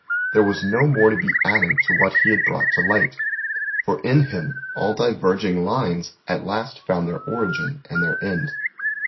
There was no more to be added to what He had brought to light for in Him all diverging lines at last found their origin and their end.